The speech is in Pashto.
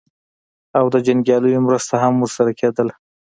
او د جنګیالیو مرسته هم ورسره کېدله.